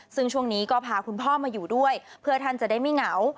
ซึ่งช่วงนี้ก็พาคุณพ่อมาอยู่ด้วยเพื่อท่านจะได้ไม่เหงา